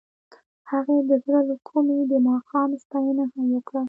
هغې د زړه له کومې د ماښام ستاینه هم وکړه.